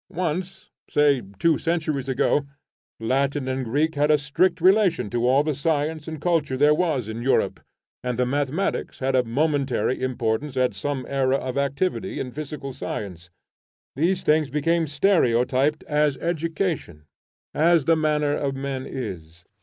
Once (say two centuries ago), Latin and Greek had a strict relation to all the science and culture there was in Europe, and the Mathematics had a momentary importance at some era of activity in physical science. These things became stereotyped as education, as the manner of men is.